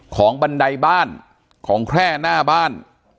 บันไดบ้านของแคร่หน้าบ้าน